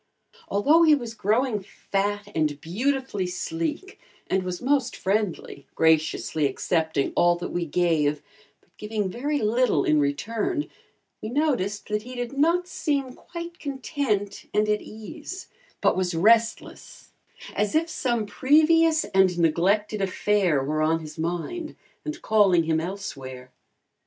Although he was growing fat and beautifully sleek and was most friendly, graciously accepting all that we gave, but giving very little in return, we noticed that he did not seem quite content and at ease, but was restless, as if some previous and neglected affair were on his mind and calling him elsewhere.